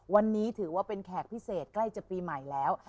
วันนี้ถือว่าเป็นแขกพิเศษใกล้จะปีใหม่แล้ว